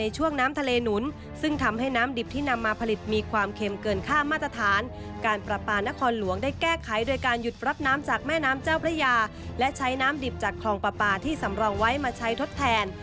จากแม่น้ำเจ้าประยาและใช้น้ำดิบจากครองปลาที่สำรองไว้มาใช้ทดแทน